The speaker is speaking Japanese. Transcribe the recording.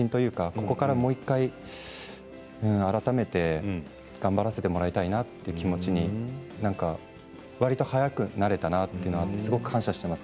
ここからもう１回改めて頑張らせてもらいたいなという気持ちにわりと早くなれたなというのがあって感謝しています